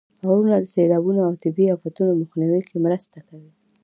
غرونه د سیلابونو او طبیعي افتونو مخنیوي کې مرسته کوي.